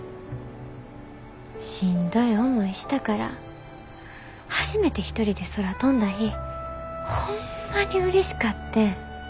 しんどい思いしたから初めて一人で空飛んだ日ホンマにうれしかってん。